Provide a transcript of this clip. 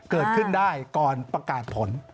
เกิดขึ้นได้ก่อนประกาศผล